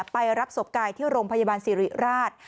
ไปรับศพกายที่โรงพยาบาลสิริราช